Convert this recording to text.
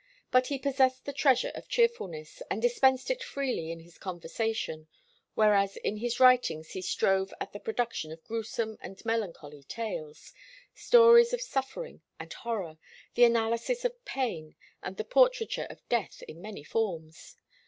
But he possessed the treasure of cheerfulness, and dispensed it freely in his conversation, whereas in his writings he strove at the production of gruesome and melancholy tales, stories of suffering and horror, the analysis of pain and the portraiture of death in many forms.